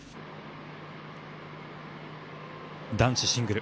男子シングル。